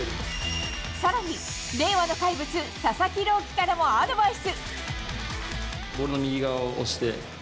更に、令和の怪物佐々木朗希からもアドバイス。